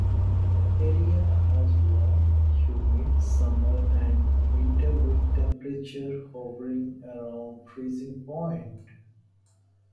The area has warm, humid summers and winters with temperatures hovering around freezing point.